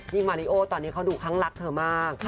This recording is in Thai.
มาริโอตอนนี้เขาดูครั้งรักเธอมาก